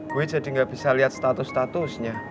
gue jadi gak bisa lihat status statusnya